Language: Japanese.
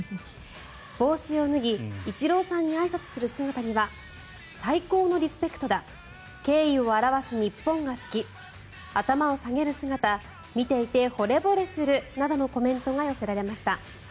帽子を脱ぎ、イチローさんにあいさつする姿には最高のリスペクトだ敬意を表す日本が好き頭を下げる姿見ていて、ほれぼれするなどのコメントが寄せられました。